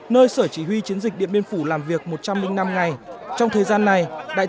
nơi sở chỉ huy chiến dịch điện biên phủ làm việc một trăm linh năm ngày